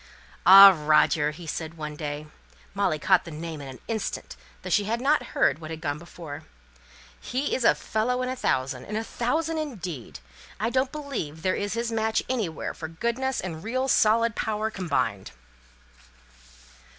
"Ah, Roger!" he said one day. Molly caught the name in an instant, though she had not heard what had gone before. "He is a fellow in a thousand in a thousand, indeed! I don't believe there is his match anywhere for goodness and real solid power combined."